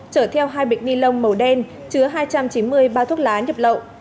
chở theo hai bịch ni lông màu đen chứa hai trăm chín mươi bao thuốc lá nhập lậu